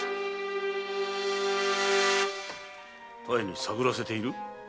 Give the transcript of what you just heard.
多江に探らせている？